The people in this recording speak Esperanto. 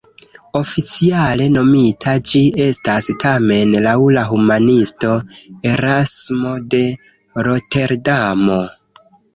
Oficiale nomita ĝi estas tamen laŭ la humanisto Erasmo de Roterdamo.